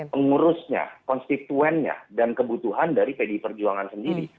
pengurusnya konstituennya dan kebutuhan dari pdi perjuangan sendiri